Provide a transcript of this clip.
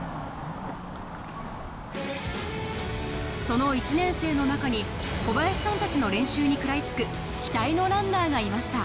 その１年生の中に小林さんたちの練習に食らいつく期待のランナーがいました